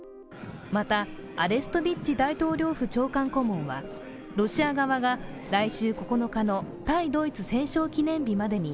また、アレストビッチ大統領府長官顧問は、ロシア側が来週９日の対ドイツ戦勝記念日までに